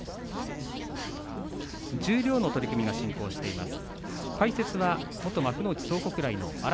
十両の取組が進行しています。